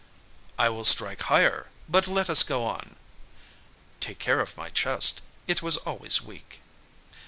"I will strike higher; but let us go on." "Take care of my chest, it was always weak."